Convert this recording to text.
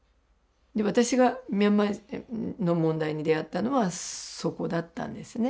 私がミャンマーの問題に出会ったのはそこだったんですね。